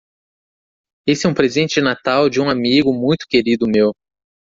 Esse é um presente de Natal de um amigo muito querido meu.